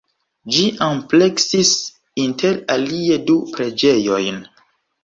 Ĝi ampleksis inter alie du preĝejojn.